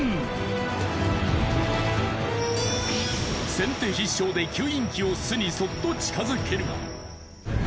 先手必勝で吸引機を巣にそっと近づける。